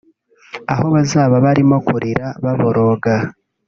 aho bazaba barimo kurira baboroga